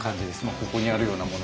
ここにあるようなものとか。